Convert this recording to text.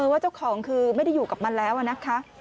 ว่าเจ้าของคือไม่ได้อยู่กับมันแล้วนะคะ